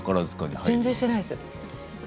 全然してないです。